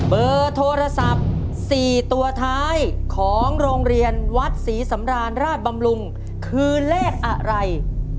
เบอร์โทรศัพท์๔ตัวท้ายของโรงเรียนวัดศรีสำราญราชบำรุงคือเลขอะไร